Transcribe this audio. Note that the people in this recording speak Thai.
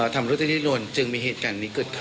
ทำโลกที่นี้ล้นจึงมีเหตุกัน